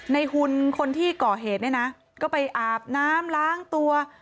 หุ่นคนที่ก่อเหตุเนี่ยนะก็ไปอาบน้ำล้างตัว